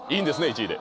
１位で。